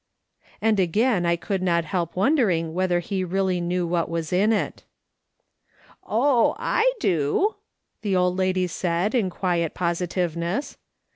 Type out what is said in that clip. And again I could not help wondering whether he really knew what was in it, " Oh, I do," the old lady said, in quiet positiveness.